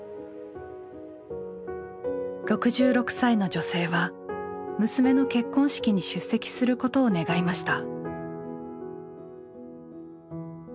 ６６歳の女性は娘の結婚式に出席することを願いました。